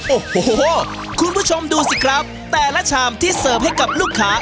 โอ้โหคุณผู้ชมดูสิครับแต่ละชามที่เสิร์ฟให้กับลูกค้า